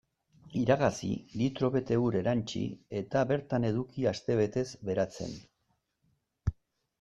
Iragazi, litro bete ur erantsi eta bertan eduki astebetez beratzen.